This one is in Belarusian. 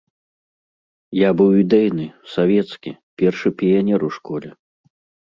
Я быў ідэйны, савецкі, першы піянер у школе.